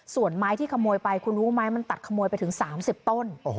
ส่วนไม้ที่ขโมยไปคุณรู้ไหมมันตัดขโมยไปถึง๓๐ต้น